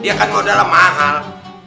dia kan modalnya mahal